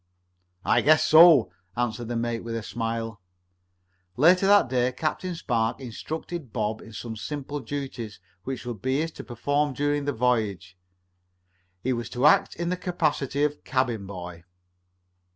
"I guess so," answered the mate with a smile. Later that day Captain Spark instructed Bob in some simple duties which would be his to perform during the voyage. He was to act in the capacity of cabin boy.